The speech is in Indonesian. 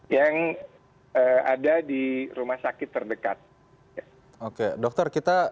yang ada di rumah sakit terdekat